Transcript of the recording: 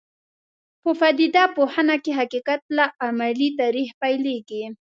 په پدیده پوهنه کې حقیقت له عملي تاریخ پیلېږي.